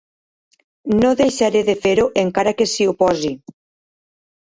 No deixaré de fer-ho encara que s'hi oposi.